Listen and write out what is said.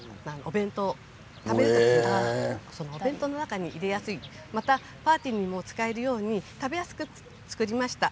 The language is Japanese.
お弁当の中にも入れやすいパーティーにも使えるように食べやすく作りました。